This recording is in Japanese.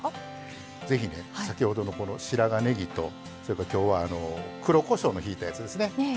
ぜひね先ほどの白髪ねぎとそれから、きょうは黒こしょうをひいたやつですね。